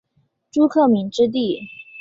朱克敏之弟。